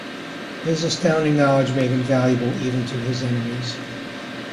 His astounding knowledge made him valuable even to his enemies.